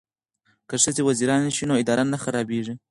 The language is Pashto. که ښځې وزیرانې شي نو اداره نه خرابیږي.